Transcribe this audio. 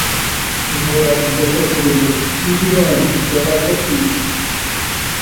গোরা জিজ্ঞাসা করিল, কী বিনয়, ব্যাপারটা কী?